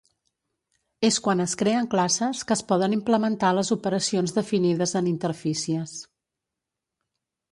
És quan es creen classes que es poden implementar les operacions definides en interfícies.